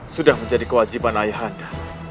sudah menjadi kewajiban ayahanda